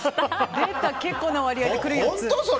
結構な割合で来るやつ。